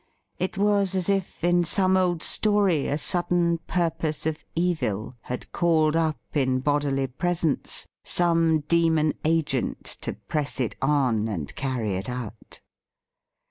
It was as if in some old story a sudden purpose of evil had called up in bodily presence some demon agent to press it on and carry it out.